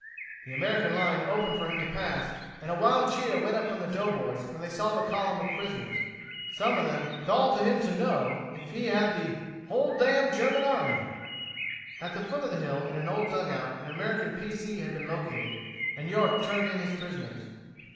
The American line opened for him to pass, and a wild cheer went up from the Doughboys when they saw the column of prisoners. Some of them "called to him to know" if he had the "whole damned German army." At the foot of the hill in an old dugout an American P. C. had been located, and York turned in his prisoners.